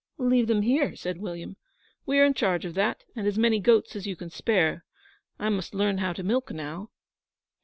'Leave them here,' said William 'we are in charge of that and as many goats as you can spare. I must learn how to milk now.'